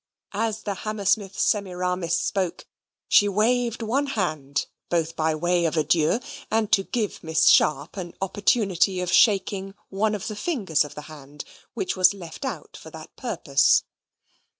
As the Hammersmith Semiramis spoke, she waved one hand, both by way of adieu, and to give Miss Sharp an opportunity of shaking one of the fingers of the hand which was left out for that purpose.